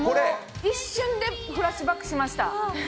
一瞬でフラッシュバックしました！